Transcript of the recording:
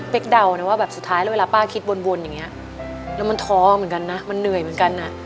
เป็นเดานะว่าแบบสุดท้ายแล้วเวลาป้าคิดวนอย่างนี้แล้วมันท้อเหมือนกันนะมันเหนื่อยเหมือนกันอ่ะ